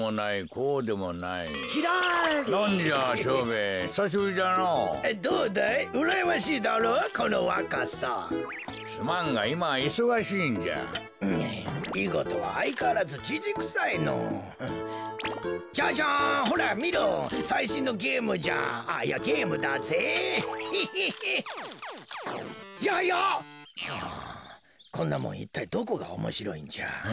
こころのこえはあこんなもんいったいどこがおもしろいんじゃ。